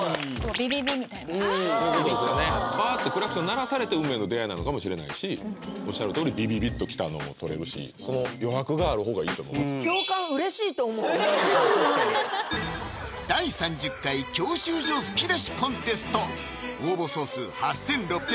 ビビビッみたいなパッてクラクション鳴らされて運命の出会いなのかもしれないしおっしゃるとおりビビビッと来たのも取れるしその余白があるほうがいいと思う第３０回教習所ふきだしコンテスト応募総数８６６０！